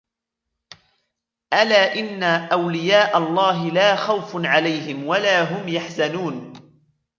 ألا إن أولياء الله لا خوف عليهم ولا هم يحزنون